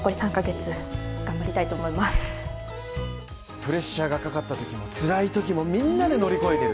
プレッシャーがかかったときもつらいときもみんなで乗り越える